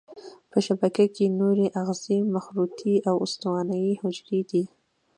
په شبکیه کې نوري آخذې مخروطي او استوانه یي حجرې دي.